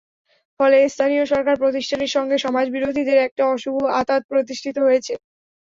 ফলে স্থানীয় সরকার প্রতিষ্ঠানের সঙ্গে সমাজবিরোধীদের একটা অশুভ আঁতাত প্রতিষ্ঠিত হয়েছে।